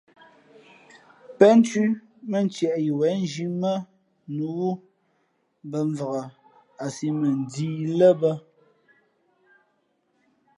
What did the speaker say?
Pénthʉ́ mά ntieʼ yi wěn nzhī mά nǔ wú mbα mvak a sī mαnjīī lά bᾱ.